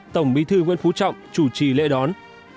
tổng bí thư nguyễn phú trọng chủ trì lễ đón